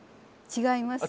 違います。